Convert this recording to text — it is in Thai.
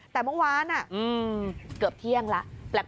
แต่เมื่อวานเกือบเที่ยงแล้ว